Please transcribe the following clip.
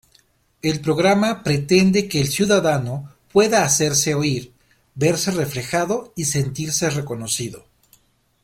El programa pretende que el ciudadano pueda hacerse oír, verse reflejado y sentirse reconocido.